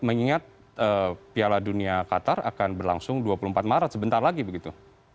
mengingat piala dunia qatar akan berlangsung dua puluh empat maret sebentar lagi begitu